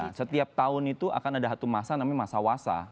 nah setiap tahun itu akan ada satu masa namanya masa wasa